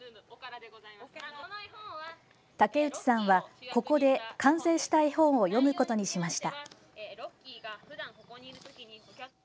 竹内さんは、ここで完成した絵本を読むことにしました。